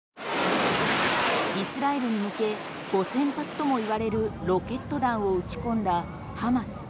イスラエルに向け５０００発ともいわれるロケット弾を撃ち込んだハマス。